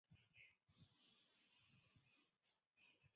斯坦伯格称歌曲的灵感来源于他的真实情感经历。